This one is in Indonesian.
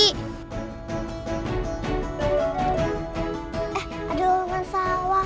eh adonan sawah